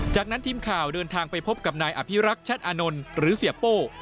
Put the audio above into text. จากนั้นทีมข่าวเดินทางไปพบกับนายอภิรักษ์ชัดอานนท์หรือเสียโป้